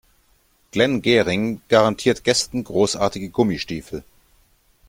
Glenn Gehring garantiert Gästen großartige Gummistiefel.